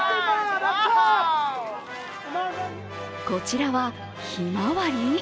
こちらは、ひまわり？